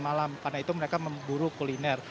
karena itu mereka memburu kuliner